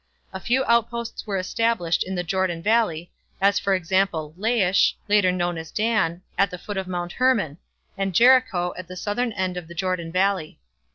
A few outposts were established in the Jordan valley, as for example, Laish, later known as Dan, at the foot of Mount Hermon, and Jericho, at the southern end of the Jordan valley.